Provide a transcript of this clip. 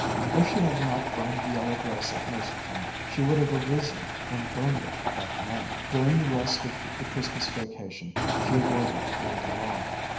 If she had not burned the yellow dress at Mercerton, she would have arisen and burned it that night.... During the rest of the Christmas vacation she avoided being alone.